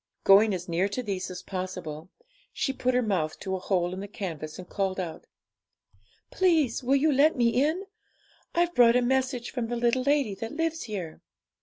Going as near to these as possible, she put her mouth to a hole in the canvas, and called out 'Please will you let me in? I've brought a message from the little lady that lives here.'